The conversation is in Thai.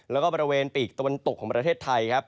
แล้วก็บริเวณปีกตะวันตกของประเทศไทยครับ